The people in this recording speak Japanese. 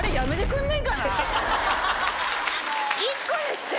１個にして。